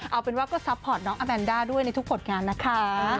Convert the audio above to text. เอาเป็นว่าก็ซัพพอร์ตน้องอาแมนด้าด้วยในทุกผลงานนะคะ